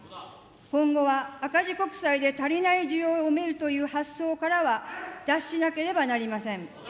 今後は、赤字国債で足りない需要を埋めるという発想からは脱しなければなりません。